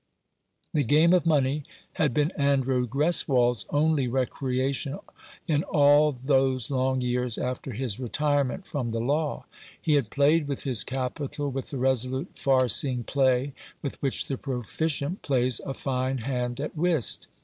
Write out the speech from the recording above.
The game of money had been Andrew Greswold's only recreation in all those long years after his retire ment from the law. He had played with his 293 Rough Justice. capital with the resolute, far seeing play with which the proficient plays a fine hand at whist.